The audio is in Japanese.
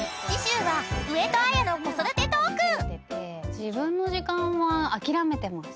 自分の時間は諦めてます。